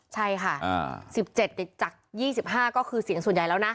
ใช่ค่ะ๑๗จาก๒๕ก็คือเสียงส่วนใหญ่แล้วนะ